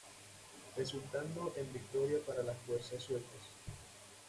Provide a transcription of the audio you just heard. Resultando en victoria para las fuerzas suecas.